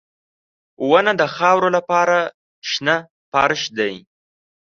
• ونه د خاورو لپاره شنه فرش دی.